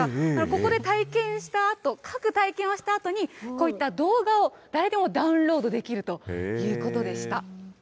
ここで体験したあと、各体験をしたあとに、こういった動画を、誰でもダウンロードできるということでした。